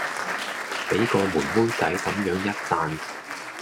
俾個妹妹仔咁樣一讚